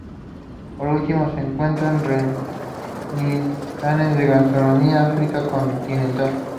Por último, se encuentran reminiscencias de la gastronomía africana continental.